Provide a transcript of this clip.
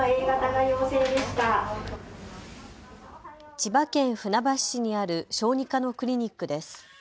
千葉県船橋市にある小児科のクリニックです。